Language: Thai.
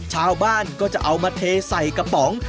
ชาวบ้านก็จะเอามาเทใส่กระป๋อง